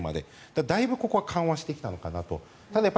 だからだいぶここは緩和してきたのかなと。